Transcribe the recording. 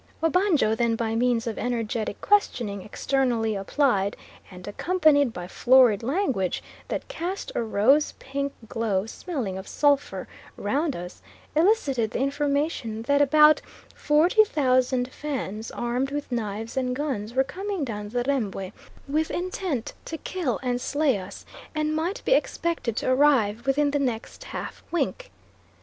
Obanjo then by means of energetic questioning externally applied, and accompanied by florid language that cast a rose pink glow smelling of sulphur, round us, elicited the information that about 40,000 Fans, armed with knives and guns, were coming down the Rembwe with intent to kill and slay us, and might be expected to arrive within the next half wink.